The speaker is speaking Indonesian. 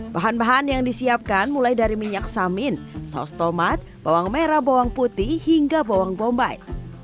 bahan bahan yang disiapkan mulai dari minyak samin saus tomat bawang merah bawang putih hingga bawang bombay